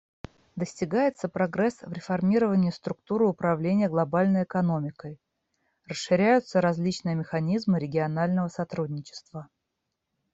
Достигается прогресс в реформировании структуры управления глобальной экономикой, расширяются различные механизмы регионального сотрудничества.